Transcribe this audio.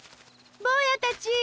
ぼうやたち！